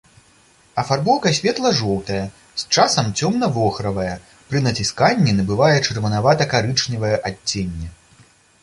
Афарбоўка светла-жоўтая, з часам цёмна-вохравая, пры націсканні набывае чырванавата-карычневае адценне.